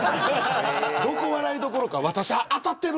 「どこ笑いどころか私当たってる？」